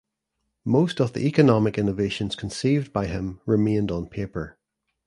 Most of the economic innovations conceived by him remained on paper.